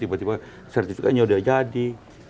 tiba tiba sertifikasinya sudah jadi